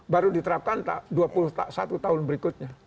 baru diterapkan dua puluh satu tahun berikutnya